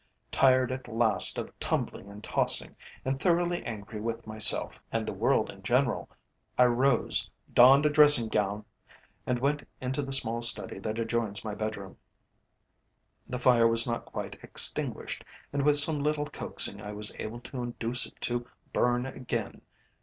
Tired at last of tumbling and tossing, and thoroughly angry with myself, and the world in general, I rose, donned a dressing gown, and went into the small study that adjoins my bedroom. The fire was not quite extinguished, and with some little coaxing I was able to induce it to burn again.